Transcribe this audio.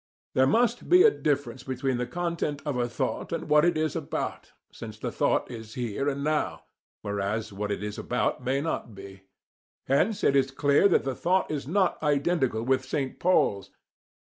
There must be a difference between the content of a thought and what it is about, since the thought is here and now, whereas what it is about may not be; hence it is clear that the thought is not identical with St. Paul's.